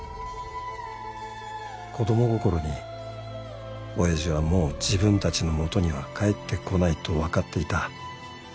子供心に親父はもう自分たちの元には帰ってこないと分かっていた